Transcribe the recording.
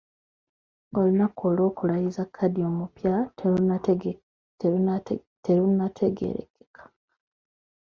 Olunaku olw'okulayiza Kadhi omupya terunnategeerekeka.